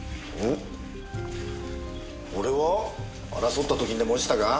争った時にでも落ちたか？